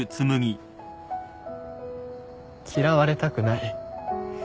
嫌われたくない。